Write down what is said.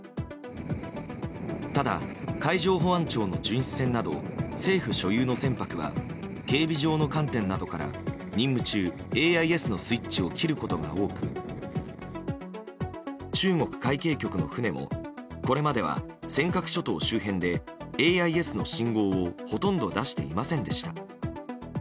ただ、海上保安庁の巡視船など政府所有の船舶は警備上の観点などから任務中、ＡＩＳのスイッチを切ることが多く中国海警局の船もこれまでは尖閣諸島周辺でＡＩＳの信号をほとんど出していませんでした。